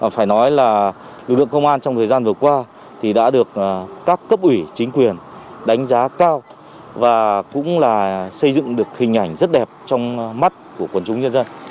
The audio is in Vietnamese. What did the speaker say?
phải nói là lực lượng công an trong thời gian vừa qua thì đã được các cấp ủy chính quyền đánh giá cao và cũng là xây dựng được hình ảnh rất đẹp trong mắt của quần chúng nhân dân